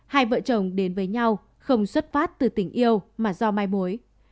hai vợ chồng đến với nhau không xuất phát từ tình yêu mà do mai mối